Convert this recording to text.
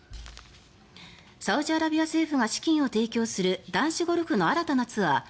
サウジアラビア政府が資金を提供する男子ゴルフの新たなツアー